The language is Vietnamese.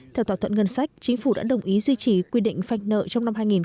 theo thỏa thuận ngân sách chính phủ đã đồng ý duy trì quy định phanh nợ